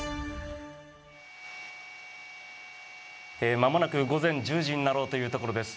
まもなく午前１０時になろうというところです。